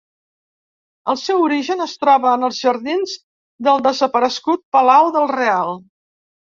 El seu origen es troba en els jardins del desaparegut palau del Real.